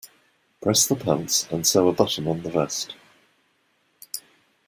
Press the pants and sew a button on the vest.